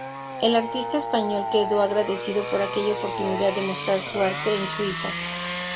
El artista español quedó agradecido por aquella oportunidad de mostrar su arte en Suiza.